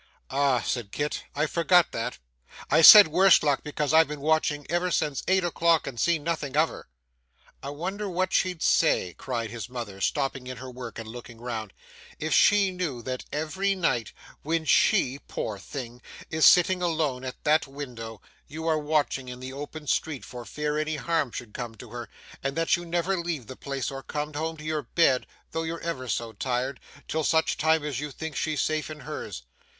'Ah!' said Kit, 'I forgot that. I said worse luck, because I've been watching ever since eight o'clock, and seen nothing of her.' 'I wonder what she'd say,' cried his mother, stopping in her work and looking round, 'if she knew that every night, when she poor thing is sitting alone at that window, you are watching in the open street for fear any harm should come to her, and that you never leave the place or come home to your bed though you're ever so tired, till such time as you think she's safe in hers.